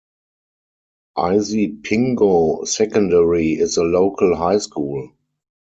Isipingo Secondary is the local high school.